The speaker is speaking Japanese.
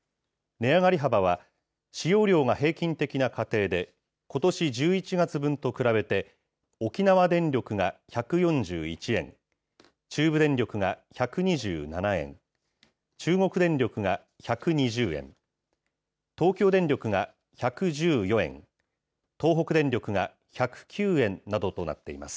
値上がり幅は、使用量が平均的な家庭で、ことし１１月分と比べて、沖縄電力が１４１円、中部電力が１２７円、中国電力が１２０円、東京電力が１１４円、東北電力が１０９円などとなっています。